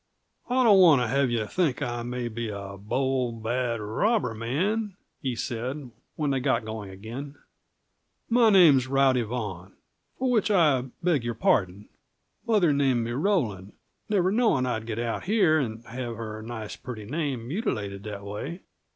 "I don't want to have you think I may be a bold, bad robber man," he said, when they got going again. "My name's Rowdy Vaughan for which I beg your pardon. Mother named me Rowland, never knowing I'd get out here and have her nice, pretty name mutilated that way.